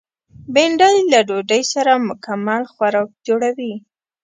بېنډۍ له ډوډۍ سره مکمل خوراک جوړوي